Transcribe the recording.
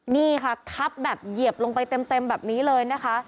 นี่ค่ะทับแบบเหยียบลงไปเต็มแบบนี้เลยนะคะ